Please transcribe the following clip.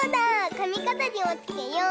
かみかざりもつけよう。